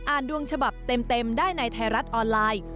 ดวงฉบับเต็มได้ในไทยรัฐออนไลน์